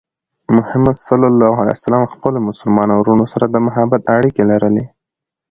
محمد صلى الله عليه وسلم د خپلو مسلمانو وروڼو سره د محبت اړیکې لرلې.